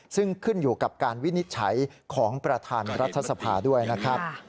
ซึ่งขึ้นอยู่กับการวินิจฉัยของประธานรัฐสภาด้วยนะครับ